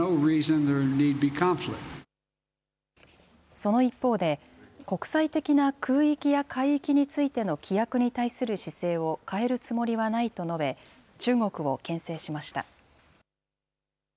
その一方で、国際的な空域や海域についての規約に対する姿勢を変えるつもりはないと述べ、中国をけん制しました。